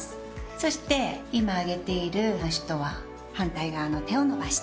そして今上げている足とは反対側の手を伸ばしていきます。